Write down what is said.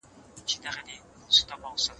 او وروسته ئې د مستعمرو په جوړولو لګیا سوه.